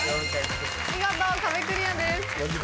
見事壁クリアです。